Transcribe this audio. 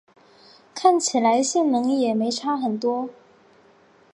看起来性能也没差很多